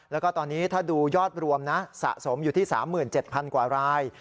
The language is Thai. แล้วก็ตอนนี้ถ้าดูยอดรวมนะสะสมอยู่ที่๓๗๐๐กว่าราย